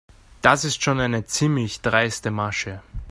Das ist schon eine ziemlich dreiste Masche.